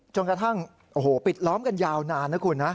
จนกระทั่งโอ้โหปิดล้อมกันยาวนานนะคุณนะ